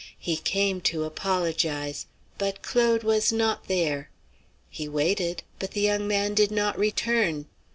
He came to apologize. But Claude was not there. He waited, but the young man did not return.